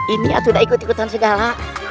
ini atuh udah ikut ikutan segala